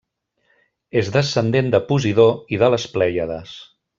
És descendent de Posidó i de les Plèiades.